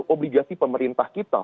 obligasi pemerintah kita